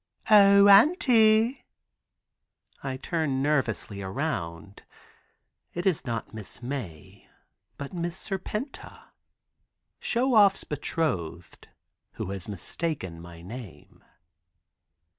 "O auntie!" I turn nervously around. It is not Miss Mae but Miss Serpenta. Show Off's betrothed, who has mistaken my name.